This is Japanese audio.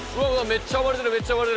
めっちゃ暴れてる！